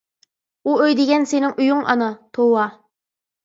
ئۇ ئۆي دېگەن سېنىڭ ئۆيۈڭ ئانا. توۋا؟ !